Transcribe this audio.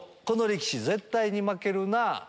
この力士絶対に負けるなぁ。